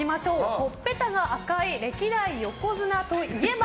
ほっぺたが赤い歴代横綱といえば？